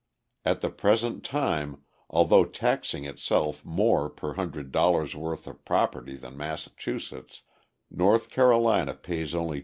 At the present time, although taxing itself more per hundred dollars' worth of property than Massachusetts, North Carolina pays only $2.